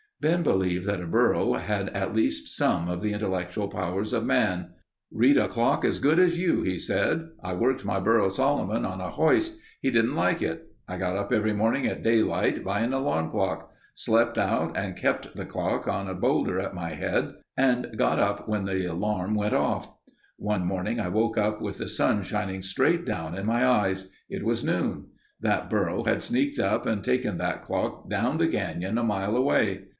Ben believed that a burro had at least some of the intellectual powers of man. "Read a clock good as you," he said. "I worked my burro, Solomon, on a hoist. He didn't like it. I got up every morning at daylight, by an alarm clock. Slept out and kept the clock on a boulder at my head and got up when the alarm went off. One morning I woke up with the sun shining straight down in my eyes. It was noon. That burro had sneaked up and taken that clock down the canyon a mile away.